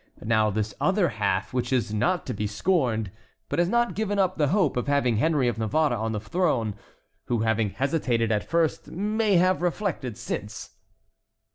Now this other half, which is not to be scorned, has not given up the hope of having Henry of Navarre on the throne, who having hesitated at first may have reflected since."